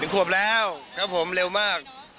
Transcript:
ขวบแล้วครับผมเร็วมาก